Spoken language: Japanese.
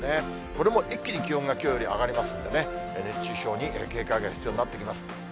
これも一気に気温がきょうより上がりますんでね、熱中症に警戒が必要になってきます。